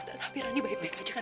tapi rani baik baik aja kan pak